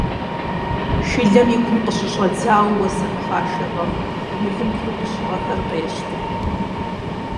Шылэм и кум къыщыщӀэдзауэ уэсыр пхъашэ мэхъу, мылым кхъурбыщыгъэхэр къещтэ.